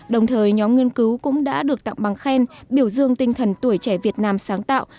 đồng thời nhóm nghiên cứu cũng đã được tặng bằng khen biểu dương tinh thần tuổi trẻ việt nam sáng tạo